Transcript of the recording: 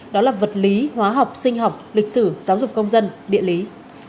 đó là vật lý hóa học sinh học lịch sử giáo dục công dân địa lý